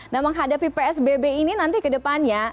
nah menghadapi psbb ini nanti ke depannya